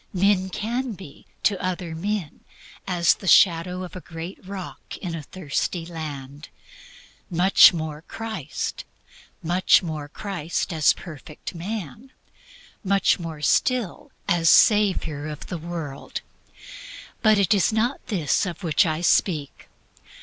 Men can be to other men as the shadow of a great rock in a weary land; much more Christ; much more Christ as Perfect Man; much more still as Savior of the world. But it is not this of which I speak.